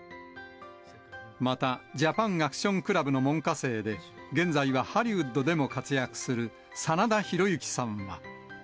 また、ジャパンアクションクラブの門下生で、現在はハリウッドでも活躍する、真田広之さんは。